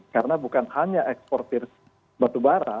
karena bukan hanya eksportir batu bara